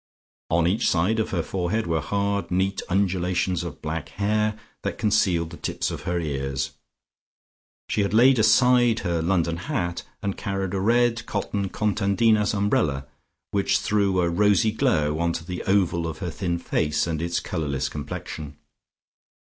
On each side of her forehead were hard neat undulations of black hair that concealed the tips of her ears. She had laid aside her London hat, and carried a red cotton Contadina's umbrella, which threw a rosy glow onto the oval of her thin face and its colourless complexion.